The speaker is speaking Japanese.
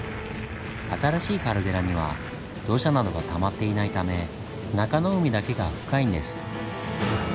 新しいカルデラには土砂などがたまっていないため中湖だけが深いんです。